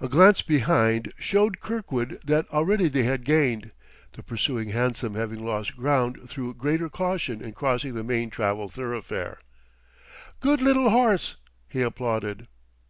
A glance behind showed Kirkwood that already they had gained, the pursuing hansom having lost ground through greater caution in crossing the main traveled thoroughfare. "Good little horse!" he applauded.